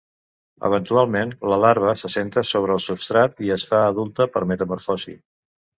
Eventualment, la larva s'assenta sobre el substrat i es fa adulta per metamorfosi.